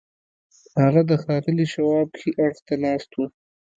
هغه د ښاغلي شواب ښي اړخ ته ناست و